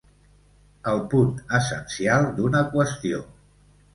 El punt essencial d'una qüestió.